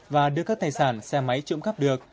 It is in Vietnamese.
và đưa các tài sản xe máy trộm cắp được